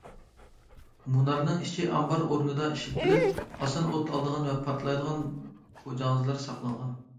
مۇنارنىڭ ئىچى ئامبار ئورنىدا ئىشلىتىلىپ، ئاسان ئوت ئالىدىغان ۋە پارتلايدىغان پوجاڭزىلار ساقلانغان.